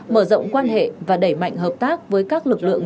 mở rộng quan hệ và đẩy mạnh hợp tác với các lực lượng